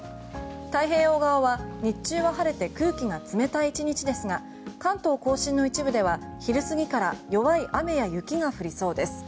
太平洋側は日中は晴れて空気が冷たい１日ですが関東・甲信の一部では昼過ぎから弱い雨や雪が降りそうです。